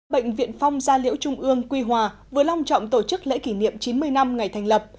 bệnh viện phong gia liễu trung ương quy hòa vừa long trọng tổ chức lễ kỷ niệm chín mươi năm ngày thành lập